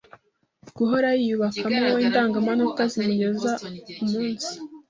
guhora yiyubakamo indangamanota zimugeza umunsi